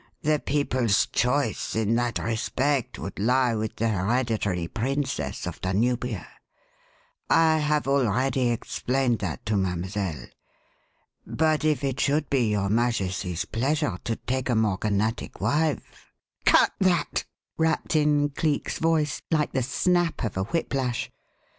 The people's choice in that respect would lie with the hereditary princess of Danubia. I have already explained that to Mademoiselle. But if it should be your Majesty's pleasure to take a morganatic wife " "Cut that!" rapped in Cleek's voice like the snap of a whiplash.